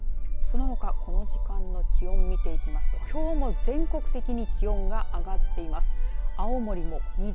そのほかこの時間の気温を見ていきますときょうも全国的に気温が上がっています。